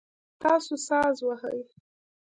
تاسو ساز وهئ؟